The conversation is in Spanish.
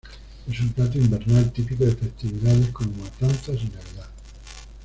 Es un plato invernal, típico de festividades como matanzas y Navidad.